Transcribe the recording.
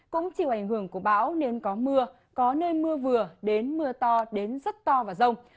cũng chịu ảnh hưởng của bão nên có mưa có nơi mưa vừa đến mưa to đến rất to và rông